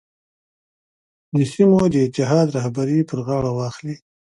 د سیمو د اتحاد رهبري پر غاړه واخلي.